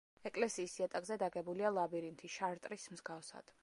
ეკლესიის იატაკზე დაგებულია ლაბირინთი, შარტრის მსგავსად.